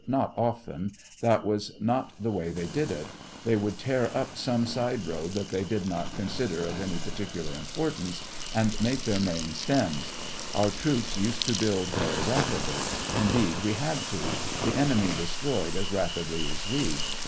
Not often ; that was not the way they did it ; they would tear up some side road that they did not consider of any particular importance, and make their main stems ; our troops used to build very rapidly ; indeed, we had to; the enemy destroyed as rapidly as we.